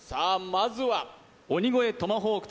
まずは鬼越トマホーク